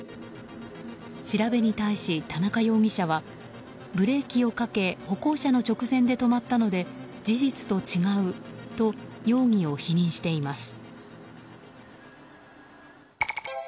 調べに対し、田中容疑者はブレーキをかけ歩行者の直前で止まったので事実と違うと容疑を否認しています。